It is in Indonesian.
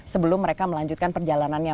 sebelum mereka melanjutkan perjalanannya